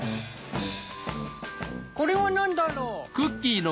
これは何だろう？